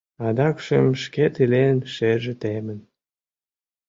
Адакшым шкет илен шерже темын.